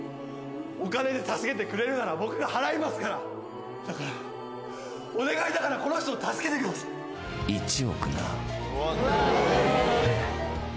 お金で助けてくれるなら僕が払いますからだからお願いだからこの人を助けてくださいえっ！？